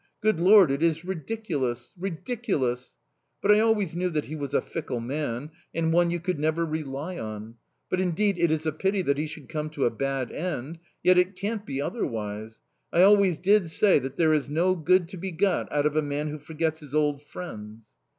Good Lord, it is ridiculous ridiculous!... But I always knew that he was a fickle man, and one you could never rely on!... But, indeed, it is a pity that he should come to a bad end... yet it can't be otherwise!... I always did say that there is no good to be got out of a man who forgets his old friends!"...